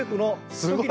すごい。